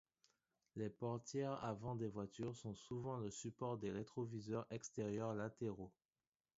Les portières avant des voitures sont souvent le support des rétroviseurs extérieurs latéraux.